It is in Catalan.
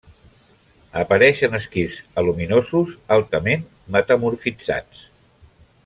Apareix en esquists aluminosos altament metamorfitzats.